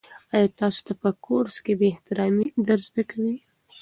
آیا تاسو ته په کورس کې بې احترامي در زده کوي؟